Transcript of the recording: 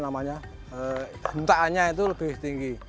mintaannya itu lebih tinggi